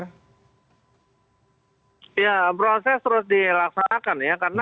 ya proses terus dilaksanakan ya